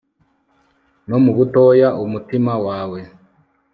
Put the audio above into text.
no mu butoya umutima wawe